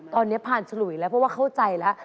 ตอนนี้ผ่านฉลุยแล้วเพราะว่าเข้าใจแล้ว